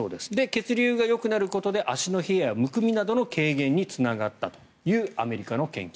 血流がよくなることで足の冷えやむくみなどの軽減につながったというアメリカの研究。